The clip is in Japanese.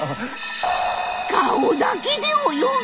顔だけで泳ぐ！？